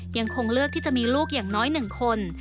ยังคงเลือกที่จะมีลูกอย่างน้อย๑คน